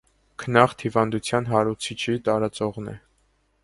Քնախտ հիվանդության հարուցիչի տարածողն է։